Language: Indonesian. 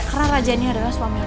karena raja ini adalah suami aku